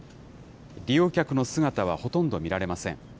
利用客の姿はほとんど見られません。